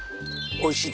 おいしい。